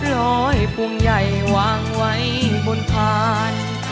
ลอยพวงใหญ่วางไว้บนพาน